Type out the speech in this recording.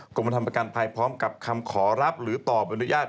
กรมพันธมประกันภัยพร้อมกับคำขอรับหรือตอบ